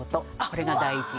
これが大事。